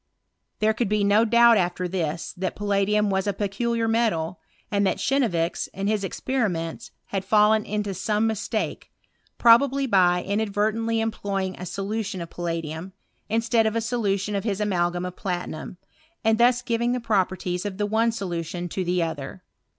There could be no doubt after this, that palladium was a peculiar metal, and that Cheiievix, in his ex periments, had fallen into some mistake, probably by inadvertently employing a solution of palladium, instead of a solution of hia amalgam of platinum ; and thus giving the properties of the one solution to the other.